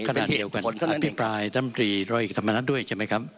อธิบายท่านมตรีธรรมนัทด้วยใช่ไหมครับ